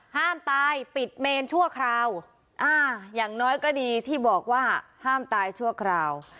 ห้ามตายปิดเมนชั่วคราวอ่าอย่างน้อยก็ดีที่บอกว่าห้ามตายชั่วคราว